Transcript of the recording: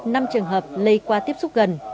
năm trường hợp lây qua tiếp xúc gần